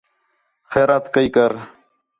خیرات کَئی کر